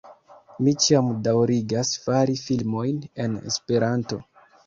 Mi ĉiam daŭrigas fari filmojn en Esperanto